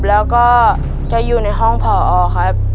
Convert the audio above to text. แล้วก็จะอยู่ในห้องผอครับ